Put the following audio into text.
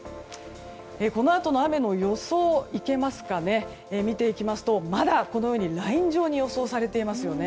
このあとの雨の予想見ていきますとまだ、このようにライン状に予想されていますよね。